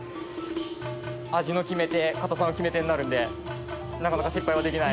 味の決め手硬さの決め手になるんでなかなか失敗はできない。